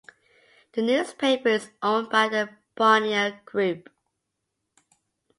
The newspaper is owned by the Bonnier Group.